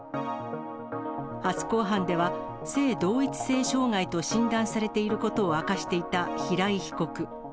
初公判では性同一性障害と診断されていることを明かしていた平井被告。